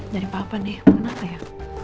dari papa deh kenapa ya